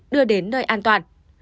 đưa đến nơi an toàn